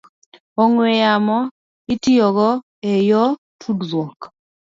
ong'we yamo itiyogo e yor tudruok.